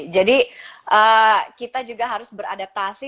jadi kita juga harus beradaptasi